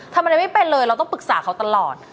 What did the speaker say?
ทำอะไรไม่เป็นเลยเราต้องปรึกษาเขาตลอด